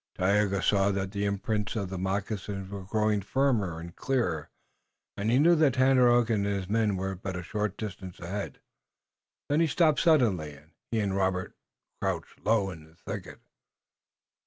Tayoga saw that the imprints of the moccasins were growing firmer and clearer, and he knew that Tandakora and his men were but a short distance ahead. Then he stopped suddenly and he and Robert crouched low in the thicket.